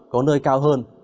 có nơi cao hơn